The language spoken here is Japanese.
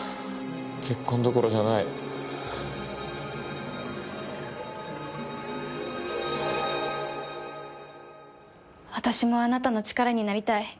結婚どころじゃない私もあなたの力になりたい